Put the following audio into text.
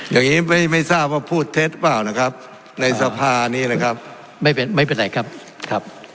อย่างนี้ไม่ทราบว่าพูดเท็จเปล่านะครับในสภานี้นะครับไม่เป็นไรครับครับ